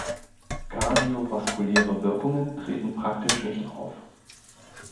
Kardiovaskuläre Wirkungen treten praktisch nicht auf.